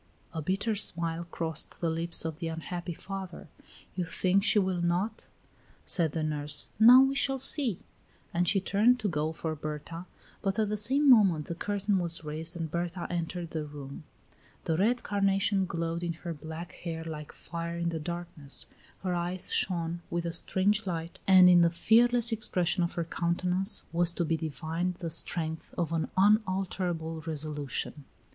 A bitter smile crossed the lips of the unhappy father. "You think she will not?" said the nurse. "Now, we shall see." And she turned to go for Berta, but at the same moment the curtain was raised and Berta entered the room. The red carnation glowed in her black hair like fire in the darkness; her eyes shone with a strange light, and in the fearless expression of her countenance was to be divined the strength of an unalterable resolution.